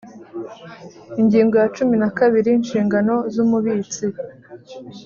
Ingingo ya cumi na kabiri : Inshingano z’Umubitsi